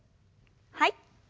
はい。